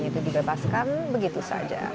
itu dibebaskan begitu saja